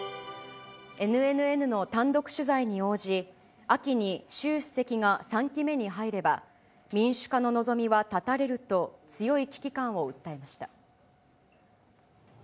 ＮＮＮの単独取材に応じ、秋に周主席が３期目に入れば、民主化の望みは絶たれると、強い危機感を訴えました。